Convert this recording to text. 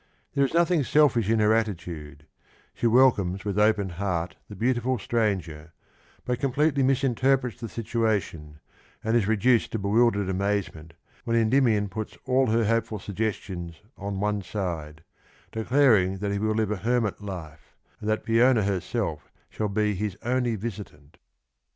There is nothing selfish in her attitude ; she welcomes with open heart the beautiful stranger, but completely misin terprets the situation, and is reduced to bewildered amazement when Endymion puts all her hopeful sugges tions on one side, declaring that he wmII live a hermit bfc, and that Peona herself shall be his only visitant.